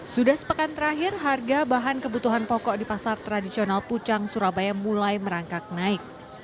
sudah sepekan terakhir harga bahan kebutuhan pokok di pasar tradisional pucang surabaya mulai merangkak naik